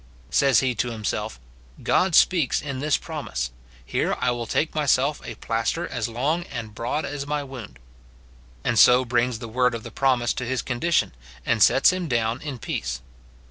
Says he to himself, " God speaks in this promise ; here I will take myself a plaster as long and broad as my wound;" and so brings the word of the promise to his condition, and sets him down in peace.